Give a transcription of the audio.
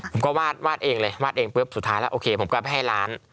ผมก็วาดเองเลยสุดท้ายแล้วโอเคผมก็ให้ร้าน